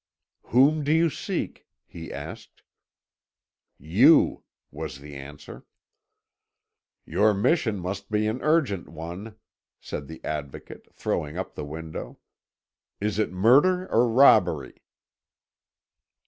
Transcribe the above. "Whom do you seek?" he asked. "You," was the answer. "Your mission must be an urgent one," said the Advocate, throwing up the window. "Is it murder or robbery?"